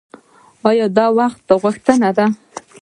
او د وخت غوښتنه ده.